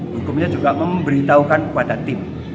hukumnya juga memberitahukan kepada tim